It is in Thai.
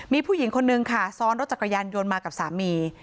มีผู้หญิงคนนึงค่ะซ้อนรถจักรยานยนต์มากับสามี